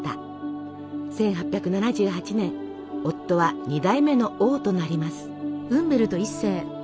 １８７８年夫は２代目の王となります。